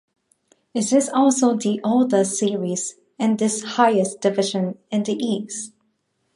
It is also the oldest series in this highest division in the east.